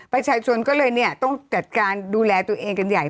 ประชาชนก็เลยเนี่ยต้องจัดการดูแลตัวเองกันใหญ่